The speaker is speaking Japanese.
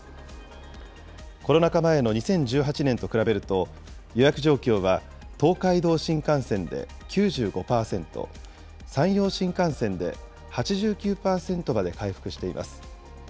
コロナ禍前の２０１８年と比べると、予約状況は東海道新幹線で９５％、山陽新幹線で８９％まで回復しています。